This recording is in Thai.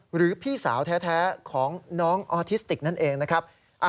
หรือพี่สาวแท้ของน้องออทิสติกนั่นเองนะครับ